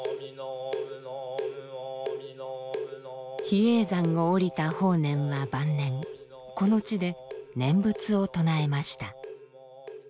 比叡山を下りた法然は晩年この地で念仏を唱えました。